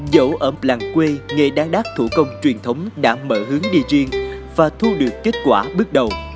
dẫu ở làng quê nghề đáng đát thủ công truyền thống đã mở hướng đi riêng và thu được kết quả bước đầu